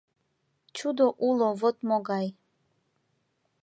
Чудо уло вот могай: